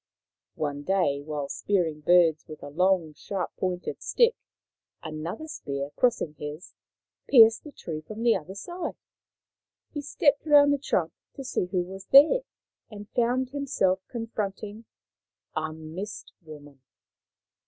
One day, while spearing birds with a long sharp pointed stick, another spear, crossing his, pierced the tree from the other side. He stepped round the trunk to see who was there, and found himself confronting a Mist woman.